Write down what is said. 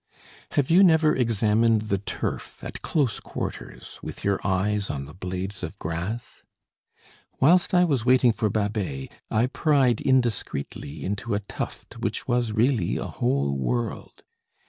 Have you never examined the turf, at close quarters, with your eyes on the blades of grass? Whilst I was waiting for Babet, I pried indiscreetly into a tuft which was really a whole world.